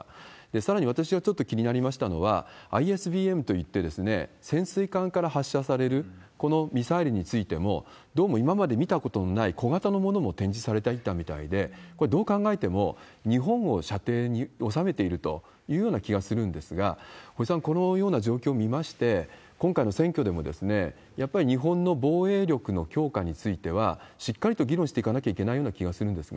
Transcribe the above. さらに、私がちょっと気になりましたのは、ＩＳＢＭといって、潜水艦から発射されるこのミサイルについても、どうも今まで見たことのない、小型のものも展示されていたみたいで、これ、どう考えても日本を射程におさめているというような気がするんですが、堀さん、このような状況を見まして、今回の選挙でもやっぱり日本の防衛力の強化については、しっかりと議論していかなきゃいけないような気がするんですが。